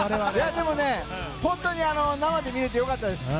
でも、本当に生で見れてよかったです。